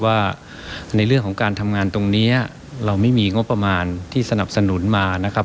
ว่าในเรื่องของการทำงานตรงนี้เราไม่มีงบประมาณที่สนับสนุนมานะครับ